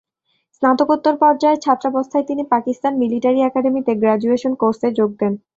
স্নাতকোত্তর পর্যায়ের ছাত্রাবস্থায় তিনি পাকিস্তান মিলিটারি একাডেমীতে 'গ্রাজুয়েট কোর্স' এ যোগ দেন।